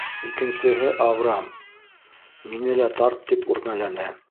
Икенсеһе, Авраам, мине лә тарт, тип үрмәләне.